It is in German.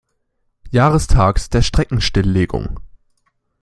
Jahrestags der Streckenstilllegung.